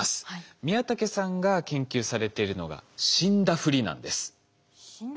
宮竹さんが研究されているのが死んだふりですか？